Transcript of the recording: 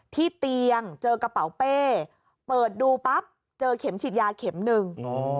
ที่เตียงเจอกระเป๋าเป้เปิดดูปั๊บเจอเข็มฉีดยาเข็มหนึ่ง